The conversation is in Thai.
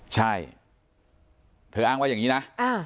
ใช่เธออ้างว่าอย่างนี้นะ